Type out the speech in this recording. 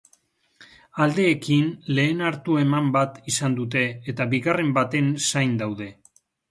Aldeekin lehen hartu eman bat izan dute, eta bigarren baten zain daude.